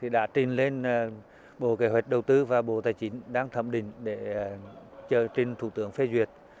đã trình lên bộ kế hoạch đầu tư và bộ tài chính đang thẩm định để chờ trình thủ tướng phê duyệt